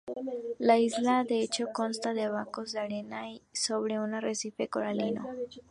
La isla de hecho consta de bancos de arena sobre un arrecife coralino.